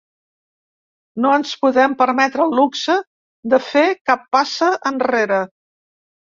No ens podem permetre el luxe de fer cap passa enrere.